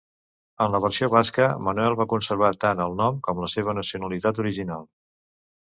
En la versió basca, Manuel va conservar tant el nom com la seva nacionalitat original.